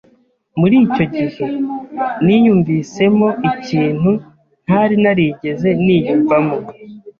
muri icyo gihe, niyumvisemo ikintu ntari narigeze niyumvamo